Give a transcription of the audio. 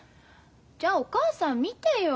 じゃあお母さん見てよ。